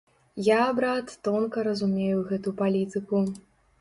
Я, брат, тонка разумею гэту палітыку.